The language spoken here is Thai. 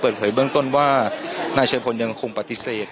เปิดเผยเบื้องต้นว่านายชายพลยังคงปฏิเสธ